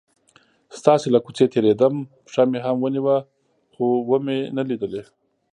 ستاسو له کوڅې تیرېدم، پښه مې هم ونیوه خو ومې نه لیدلې.